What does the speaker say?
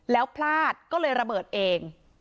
แล้วพลาดก็เลยระเบิดเอง